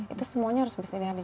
itu semuanya harus bersinergi